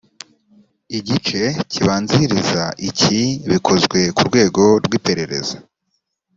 igice kibanziriza iki bikozwe ku rwego rw’iperereza